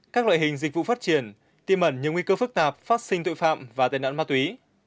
các loại hình dịch vụ phát triển tiêm ẩn nhiều nguy cơ phức tạp phát sinh tội phạm và tên nạn ma túy